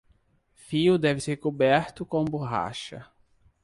Fio deve ser coberto com borracha.